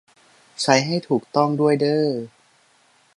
ใช้ให้ถูกต้องด้วยเด้อ